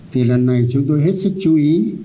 thì lần này chúng tôi hết sức chú ý